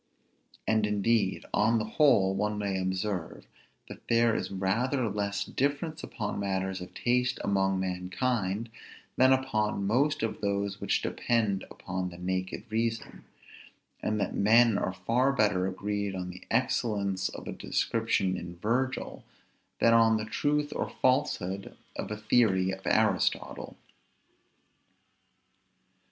And indeed, on the whole, one may observe, that there is rather less difference upon matters of taste among mankind, than upon most of those which depend upon the naked reason; and that men are far better agreed on the excellence of a description in Virgil, than on the truth or falsehood of a theory of Aristotle.